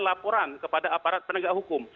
laporan kepada aparat penegak hukum